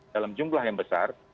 dalam jumlah yang besar